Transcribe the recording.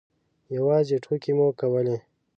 یوازې ټوکې مو کولې.